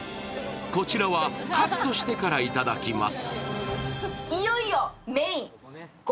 こちらはカットしてからいただきます。